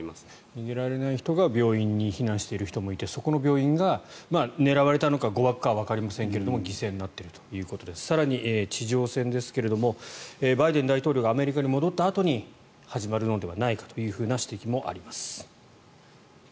逃げられない人が病院に避難している人もいてその病院が狙われたのか誤爆かはわかりませんが犠牲になっているということで更に地上戦ですがバイデン大統領がアメリカに戻ったあとに始まるのではないかという指摘もあります。